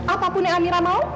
apapun yang amira mau